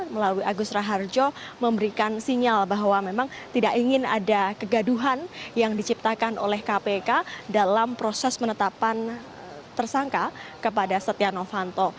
melalui agus raharjo memberikan sinyal bahwa memang tidak ingin ada kegaduhan yang diciptakan oleh kpk dalam proses penetapan tersangka kepada setia novanto